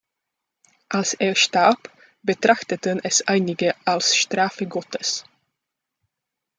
Als er starb, betrachteten es einige als Strafe Gottes.